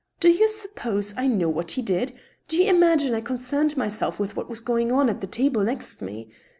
" Do you suppose I know what he did ? Do you imagine I concerned myself with what was goii^ on at the table next me